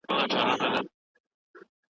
ګنا، حساب ﺯما لۀ غاړې